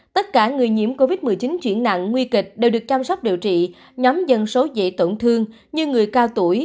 tất cả người nhiễm covid một mươi chín chuyển nặng nguy kịch đều được chăm sóc điều trị nhóm dân số dễ tổn thương như người cao tuổi